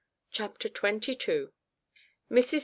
CHAPTER TWENTY TWO. MRS.